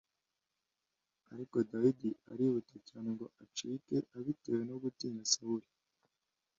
Ariko Dawidi arihuta cyane ngo acike abitewe no gutinya Sawuli